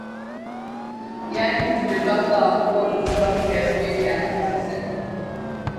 Jeg lurte blant annet på hvorfor han skrev så mye pent om seg selv.